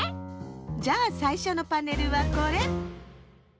じゃあさいしょのパネルはこれ！